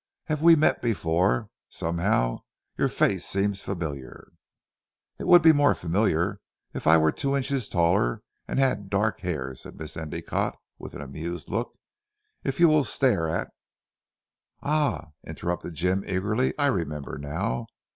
Have we met before? Somehow, your face seems familiar?" "It would be more familiar were I two inches taller and had dark hair," said Miss Endicotte with an amused look, "if you will stare at" "Ah!" interrupted Jim eagerly, "I remember now.